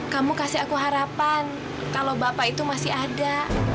kamu kasih aku harapan kalau bapak itu masih ada